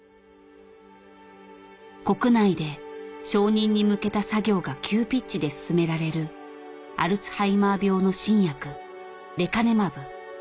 国内で承認に向けた作業が急ピッチで進められるアルツハイマー病の新薬「レカネマブ」